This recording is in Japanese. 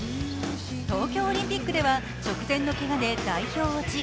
東京オリンピックでは直前のけがで代表落ち。